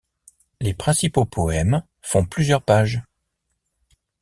Les principaux poèmes font plusieurs pages.